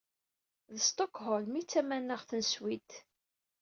D Stokholm i d tamanaɣt n Swid.